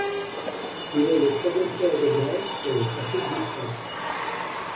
Il est le troisième port de Grèce pour le trafic du fret.